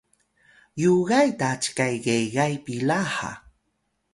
yugay ta cikay gegay pila ha